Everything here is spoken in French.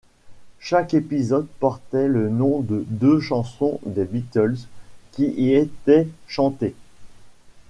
Chaque épisode portait le nom de deux chansons des Beatles, qui y étaient chantées.